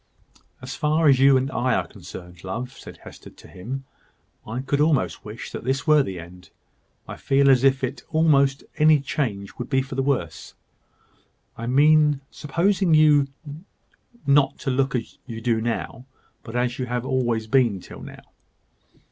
"As far as you and I are concerned, love," said Hester to him, "I could almost wish that this were the end. I feel as if almost any change would be for the worse; I mean supposing you not to look as you do now, but as you have always been till now.